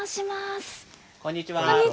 こんにちは。